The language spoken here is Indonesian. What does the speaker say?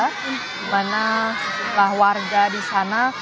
dimana setelah warga disana